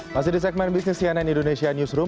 masih di segmen bisnis cnn indonesia newsroom